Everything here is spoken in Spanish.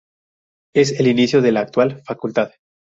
Es el inicio de la actual facultad.